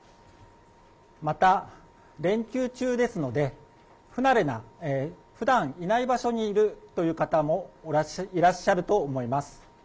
また連休中ですので不慣れな、ふだんいない場所にいるという方もいらっしゃると思います。